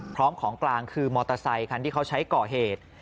พร้อมของกลางคือมอเตอร์ไซค์ที่เขาใช้เกาะเหตุ